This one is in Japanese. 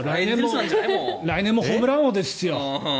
来年もホームラン王ですよ。